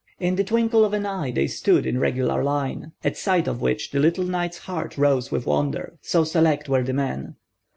In the twinkle of an eye they stood in regular line; at sight of which the little knight's heart rose with wonder, so select were the men.